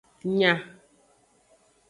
Nya.